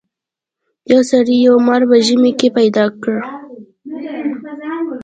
یو سړي یو مار په ژمي کې پیدا کړ.